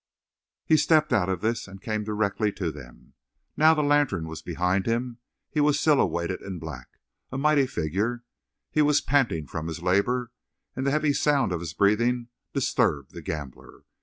He stepped out of this and came directly to them. Now the lantern was behind him, he was silhouetted in black, a mighty figure. He was panting from his labor, and the heavy sound of his breathing disturbed the gambler.